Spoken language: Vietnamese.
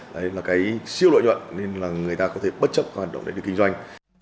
đấy là cái siêu lợi nhuận nên là người ta có thể bất chấp các hoạt động để được kinh doanh